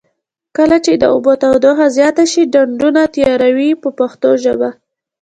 کله چې د اوبو تودوخه زیاته شي ډنډونه تیاروي په پښتو ژبه.